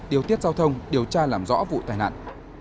điều tiết giao thông điều tra làm rõ vụ tai nạn